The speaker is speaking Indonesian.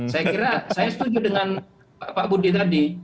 saya kira saya setuju dengan pak budi tadi